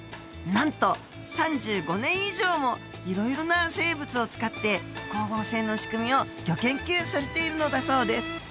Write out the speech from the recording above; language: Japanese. なんと３５年以上もいろいろな生物を使って光合成の仕組みをギョ研究されているのだそうです。